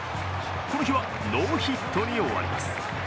この日はノーヒットに終わります。